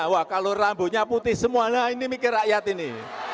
wah kalau rambutnya putih semua nah ini mikir rakyat ini